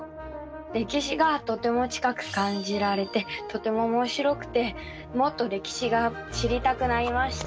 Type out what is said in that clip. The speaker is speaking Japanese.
歴史がとても近く感じられてとてもおもしろくてもっと歴史が知りたくなりました。